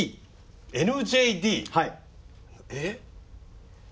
えっ。